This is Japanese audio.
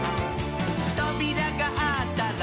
「とびらがあったら」